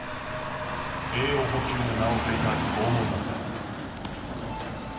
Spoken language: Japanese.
栄養補給の名を借りた拷問だった。